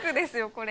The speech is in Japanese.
これ。